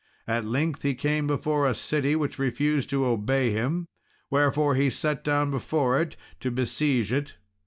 At length he came before a city which refused to obey him, wherefore he sat down before it to besiege it.